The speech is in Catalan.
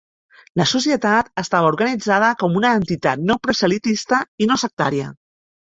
La Societat estava organitzada com una entitat no proselitista i no sectària.